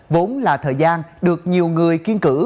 vốn là thời gian được nhiều người kiên cử